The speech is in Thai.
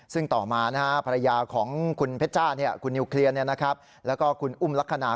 ซึ่งต่อมาภรรยาของคุณเผ็จจ้าคุณงโอนแล้วก็คุณอุ้มลักษณา